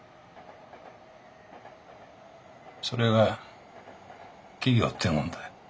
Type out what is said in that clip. それが企業ってもんだ。